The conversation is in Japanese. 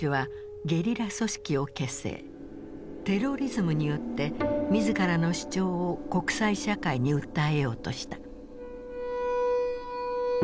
テロリズムによって自らの主張を国際社会に訴えようとした。